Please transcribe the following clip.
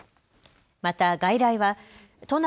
また外来は都内